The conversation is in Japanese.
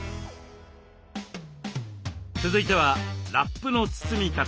続いてはラップの包み方。